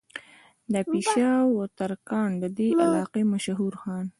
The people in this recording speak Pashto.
دا پېشه ور ترکاڼ د دې علاقې مشهور خان